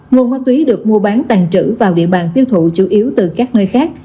nguồn ma túy được mua bán tàn trữ vào địa bàn tiêu thụ chủ yếu từ các nơi khác